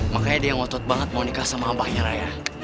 makanya dia ngotot banget mau nikah sama abahnya naya